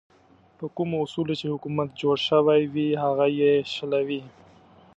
په کومو اصولو چې حکومت جوړ شوی وي هغه یې شلوي.